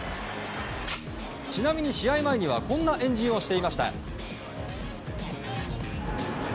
ちなみに試合前にはこんな円陣をしていました。